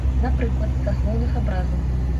Напрыклад, са слоўных абразаў.